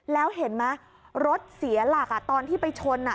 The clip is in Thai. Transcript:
แล้วเห็นไหมรถเสียหลักตอนที่ไปชนอ่ะ